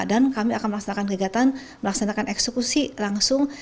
dan kami akan melaksanakan kegiatan melaksanakan eksekusi langsung